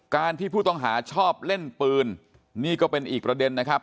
การที่ผู้ต้องหาชอบเล่นปืนนี่ก็เป็นอีกประเด็นนะครับ